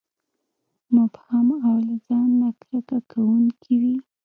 مبهم او له ځان نه کرکه کوونکي وي.